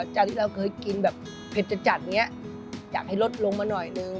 จากที่เราเคยกินแบบเผ็ดจัดอย่างนี้อยากให้ลดลงมาหน่อยนึง